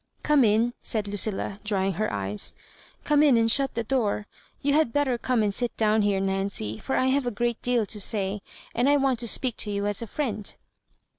"Oome in, said Lucilla, drying her eyes —" come in and shut the door ; you had better come and sit down here, Nancy, for I have a great deal to say, and I want lo speak to you as a friend."